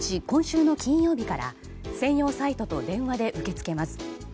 今週の金曜日から専用サイトと電話で受け付けます。